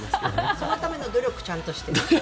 そのための努力ちゃんとして。